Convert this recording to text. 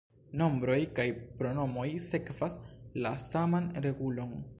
Nombroj kaj pronomoj sekvas la saman regulon.